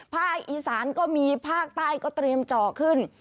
ภาคอีสานก็มีภาคใต้ก็เตรียมเจาะขึ้น